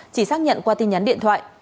chỉ xác nhận qua tin nhắn điện thoại